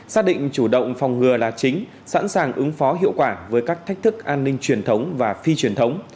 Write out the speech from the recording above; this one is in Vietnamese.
xác định chủ động phòng ngừa là chính sẵn sàng ứng phó hiệu quả với các thách thức an ninh truyền thống và phi truyền thống